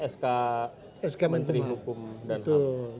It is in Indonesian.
soal sk menteri pukul